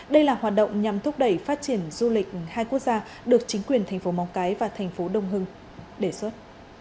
đây là hoạt động nhằm thúc đẩy phát triển du lịch hai quốc gia được chính quyền thành phố móng cái và thành phố đông hưng đề xuất